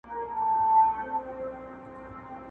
هره توره، هر میدان، او تورزن زما دی.!